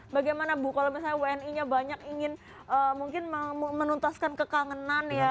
bagaimana bu kalau misalnya wni nya banyak ingin mungkin menuntaskan kekangenan ya